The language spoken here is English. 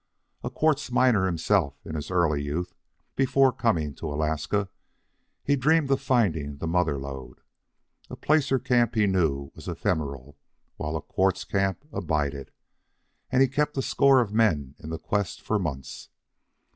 A quartz miner himself in his early youth, before coming to Alaska, he dreamed of finding the mother lode. A placer camp he knew was ephemeral, while a quartz camp abided, and he kept a score of men in the quest for months.